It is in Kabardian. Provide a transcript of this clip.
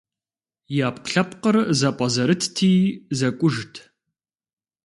И Ӏэпкълъэпкъыр зэпӀэзэрытти, зэкӀужт.